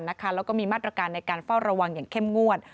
แล้วก็มีมาตรการในการเฝ้าระวังอย่างเข้มงวด